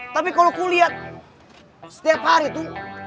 tapi kalau kulihat setiap hari tuh